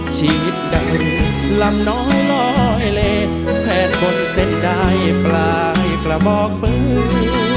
ฉีดดังหลำน้อยลอยเลแผ่นบนเส้นดายปลายกระบอกปืน